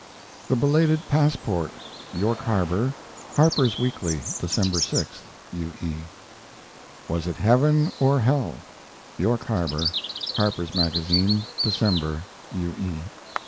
THE BELATED PASSPORT (York Harbor) Harper's Weekly, December 6. U. E. WAS IT HEAVEN? OR HELL? (York Harbor) Harper's Magazine, December. U. E.